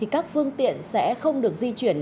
các phương tiện sẽ không được di chuyển